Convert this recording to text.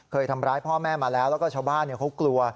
เคยทำร้ายพ่อแม่มาแล้วแล้วก็ชาวบ้านเขากลัว